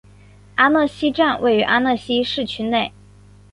阿讷西站位于阿讷西市区内。